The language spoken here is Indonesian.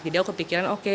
jadi aku kepikiran oke